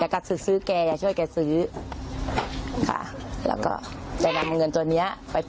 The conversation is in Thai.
แกก็ซื้อให้ช่วย